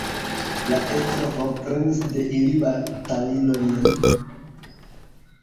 La estro forprenis de ili batalilojn, kaj kvar opriĉnikoj denun rajde akompanis ilin.